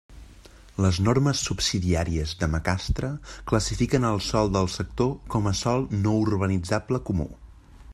Les normes subsidiàries de Macastre classifiquen el sòl del sector com a sòl no urbanitzable comú.